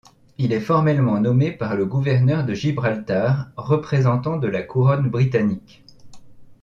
Il est formellement nommé par le gouverneur de Gibraltar, représentant de la Couronne britannique.